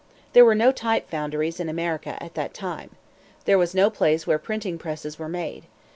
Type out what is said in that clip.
There were no type foundries in America at that time. There was no place where printing presses were made.